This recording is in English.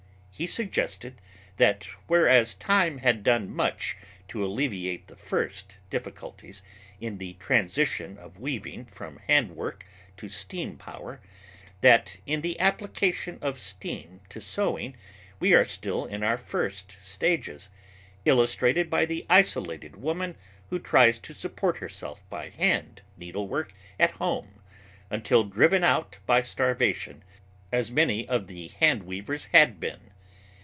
He suggested that whereas time had done much to alleviate the first difficulties in the transition of weaving from hand work to steam power, that in the application of steam to sewing we are still in our first stages, illustrated by the isolated woman who tries to support herself by hand needlework at home until driven out by starvation, as many of the hand weavers had been.